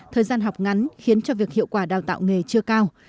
thời gian học ngắn khiến cho việc hiệu quả đào tạo nghề chưa cao